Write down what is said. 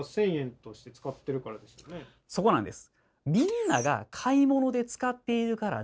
そこなんです！